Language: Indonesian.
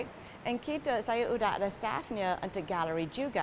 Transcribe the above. dan saya sudah ada staff nya untuk galeri juga